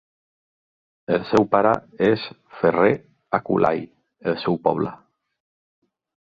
El seu pare és ferrer a Kulai, el seu poble.